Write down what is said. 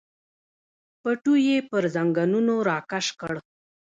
پټو یې پر زنګنونو راکش کړ.